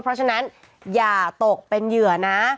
เพราะฉะนั้นอย่าตกเป็นเหยื่อนะ